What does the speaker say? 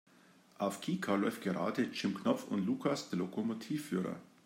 Auf Kika läuft gerade Jim Knopf und Lukas der Lokomotivführer.